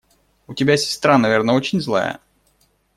У тебя сестра, наверное, очень злая?